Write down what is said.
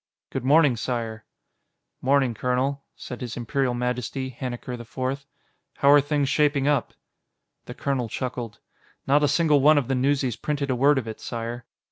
"Good morning, Sire." "'Morning, colonel," said His Imperial Majesty, Hannikar IV. "How are things shaping up?" The colonel chuckled. "Not a single one of the newsies printed a word of it, Sire."